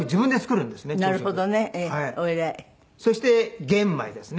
そして玄米ですね。